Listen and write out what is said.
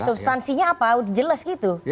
substansinya apa jelas gitu